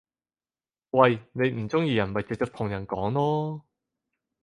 喂！你唔中意人咪直接同人講囉